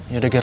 ya udah ger